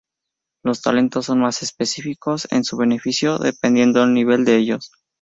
Los talentos son más específicos en su beneficio, dependiendo del nivel de ellos.